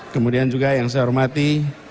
kemudian juga yang saya hormati